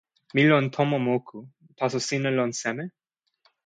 mi lon tomo moku, taso sina lon seme?